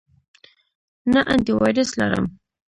نه، انټی وایرس لرم